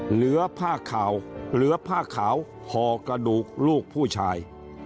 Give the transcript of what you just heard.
เหลือผ้าขาวหอกระดูกลูกผู้ชาย